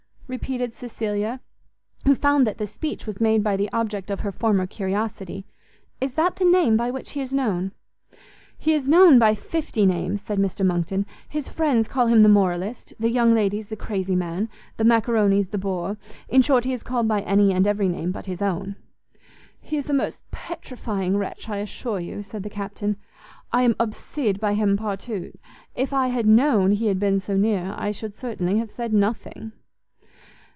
repeated Cecilia, who found that the speech was made by the object of her former curiosity; "is that the name by which he is known?" "He is known by fifty names," said Mr Monckton; "his friends call him the moralist; the young ladies, the crazy man; the macaronies, the bore; in short, he is called by any and every name but his own." "He is a most petrifying wretch, I assure you," said the Captain; "I am obsede by him partout; if I had known he had been so near, I should certainly have said nothing."